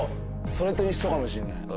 それと一緒かもしれない。